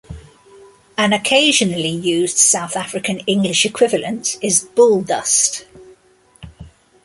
An occasionally used South African English equivalent is "bull dust".